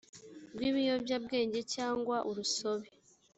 ry ibiyobyabwenge cyangwa urusobe